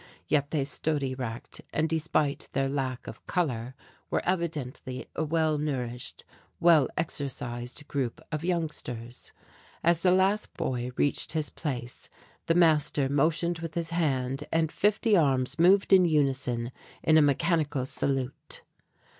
Yet they stood erect and, despite their lack of colour, were evidently a well nourished, well exercised group of youngsters. As the last boy reached his place the master motioned with his hand and fifty arms moved in unison in a mechanical salute.